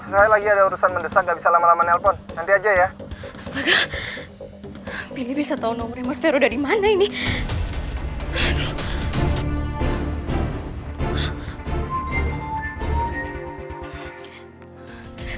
kalau aku gak segera kasih dia uang